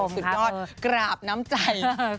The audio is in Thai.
สุดยอดกราบน้ำใจ